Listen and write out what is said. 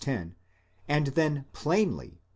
10) and then plainly (v.